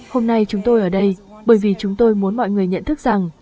hôm nay chúng tôi ở đây bởi vì chúng tôi muốn mọi người nhận thức rằng